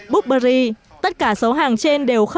burberry tất cả số hàng trên đều khói